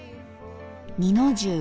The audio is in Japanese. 二の重。